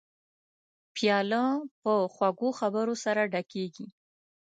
پیاله په خوږو خبرو سره ډکېږي.